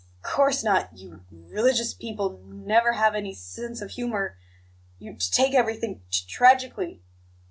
Of c course not; you r religious people n n never have any s sense of humour you t take everything t t tragically.